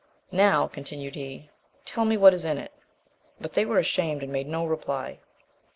"Now," continued he, "tell me what is in it;" but they were ashamed, and made no reply.